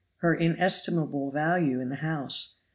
Her inestimable value in the house!